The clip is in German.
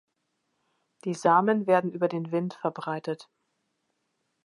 Die Samen werden über den Wind verbreitet.